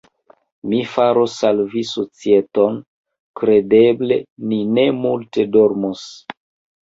Mi faros al vi societon: kredeble ni ne multe dormos.